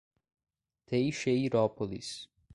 Teixeirópolis